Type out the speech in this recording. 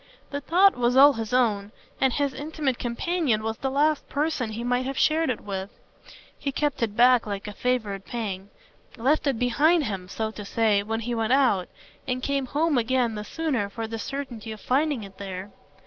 The thought was all his own, and his intimate companion was the last person he might have shared it with. He kept it back like a favourite pang; left it behind him, so to say, when he went out, but came home again the sooner for the certainty of finding it there.